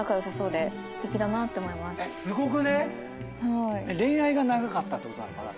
すごくねえ⁉恋愛が長かったってことなのかな。